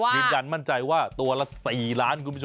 ยืนยันมั่นใจว่าตัวละ๔ล้านคุณผู้ชม